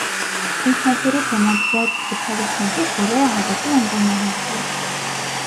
Ինքնաթիռի բեմադրած վթարի շնորհիվ բոլորը հավատում են, որ մահացել է։